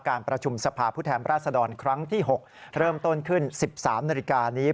การประชุมสภาพผู้แทนราชดรครั้งที่๖เริ่มต้นขึ้น๑๓นาฬิกานี้